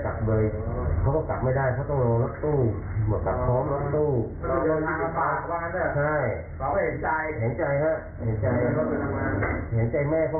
เพราะว่าคือเขาจะได้รีบกลับมาดูแลแม่เขา